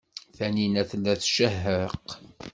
Taninna tella tcehheq.